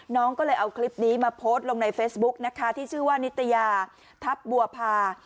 น้องก็เลยเอาคลิปนี้มาโพสต์ลงในเฟซบุ๊กนะคะที่ชื่อว่านิตยาทัพบัวพา